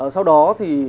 sau đó thì